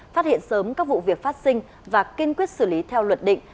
phát hiện sớm các vụ việc phát sinh và kiên quyết xử lý theo luật định